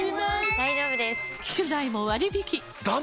大丈夫です！